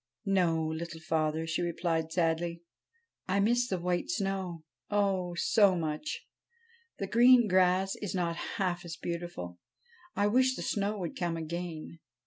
' No, Little Father,' she replied sadly. ' I miss the white snow, oh ! so much ; the green grass is not half as beautiful. I wish the snow would come again.'